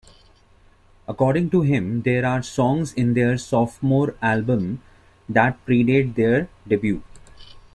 According to him there are songs in their sophomore album that pre-date their debut.